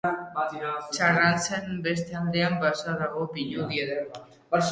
Txarrantxahesiaren beste aldean, basoa dago, pinudi eder bat.